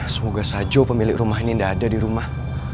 semoga salju pemilik rumah ini tidak ada di rumah